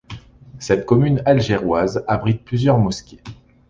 Cette commune algéroise abrite plusieurs mosquées.